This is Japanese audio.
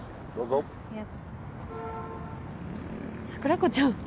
桜子ちゃん。